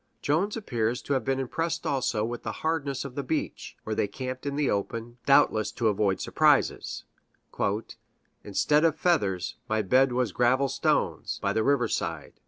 Jones appears to have been impressed also with the hardness of the beach, where they camped in the open, doubtless to avoid surprises: "Instead of feathers, my bed was gravel stones, by the river side